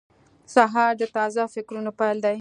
سهار د تازه فکرونو پیل دی.